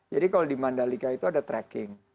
jadi kalau di mandalika itu ada trekking